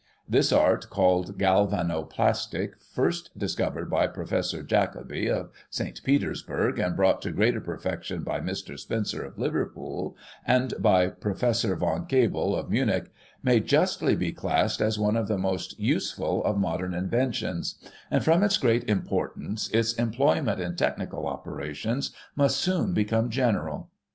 This art, called Galvano plastic, first discovered by Professor Jacobi of St. Petersburg, and brought to greater perfection by Mr. Spencer, of Liverpool, and by Professor Von Kebel, of Munich, may justly be classed as one of the most useful of modem inventions ; and, from its great importance, its employment in technical operations must soon become general.